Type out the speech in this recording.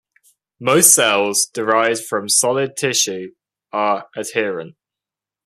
Most cells derived from solid tissues are adherent.